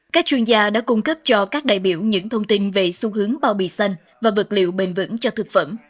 các chuyên gia đã cung cấp cho các đại biểu những thông tin về xu hướng bao bì xanh và vật liệu bền vững cho thực phẩm